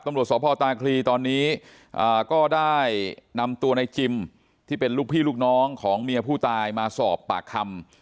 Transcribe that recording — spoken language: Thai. ตำรวจสพตาคลีตอนนี้ก็ได้นำตัวในจิมที่เป็นลูกพี่ลูกน้องของเมียผู้ตายมาสอบปากคำ